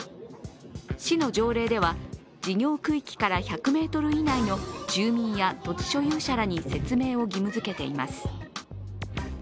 市の条例では事業区域から１００ｍ以内の住民や土地所有者らに説明を義務付けています。